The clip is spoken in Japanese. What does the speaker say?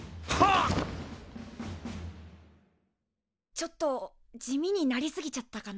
ちょっと地味になり過ぎちゃったかな。